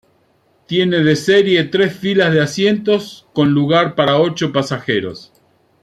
Tiene de serie tres filas de asientos con lugar para ocho pasajeros.